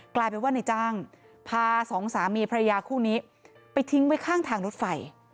กลายเป็นว่าในจ้างพาสองสามีพระยาคู่นี้ไปทิ้งไว้ข้างทางรถไฟ